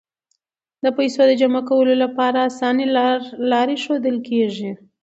د پیسو د جمع کولو لپاره اسانه لارې ښودل کیږي.